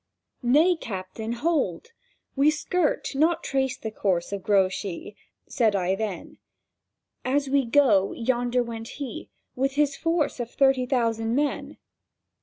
"Nay, Captain, hold! We skirt, not trace the course Of Grouchy," said I then: "As we go, yonder went he, with his force Of thirty thousand men."